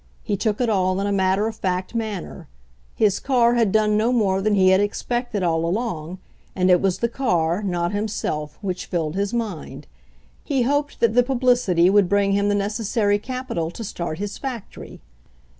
He took it all in a matter of fact manner ; his car had done no more tha^i he had expected all along, and it was the car, not himself, which filled his mind. He hoped that the publicity would bring him the necessary capital to start his factory.